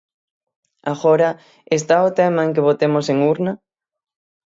Agora, ¿está o tema en que votemos en urna?